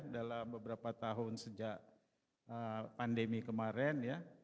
dalam beberapa tahun sejak pandemi kemarin ya